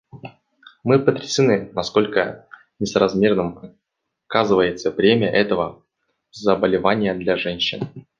Мы потрясены, насколько несоразмерным оказывается бремя этого заболевания для женщин.